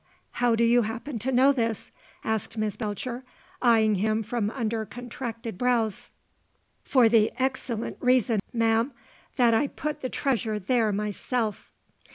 "How do you happen to know this?" asked Miss Belcher, eyeing him from under contracted brows. "For the excellent reason, ma'am, that I put the treasure there myself."